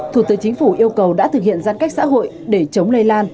thủ tướng chính phủ yêu cầu đã thực hiện giãn cách xã hội để chống lây lan